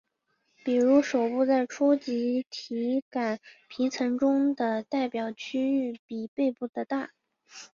比如手部在初级体感皮层中的代表区域比背部的大。